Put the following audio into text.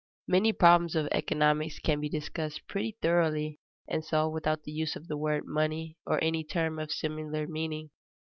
Many problems of economics can be discussed pretty thoroughly and solved without the use of the word money or any term of similar meaning.